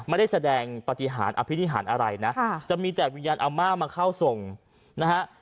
ไม่ได้แสดงปฏิหารอภินิหารอะไรนะจะมีแต่วิญญาณอาม่ามาเข้าทรงนะฮะ